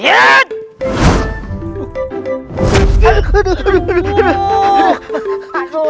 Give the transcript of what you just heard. aduh aduh aduh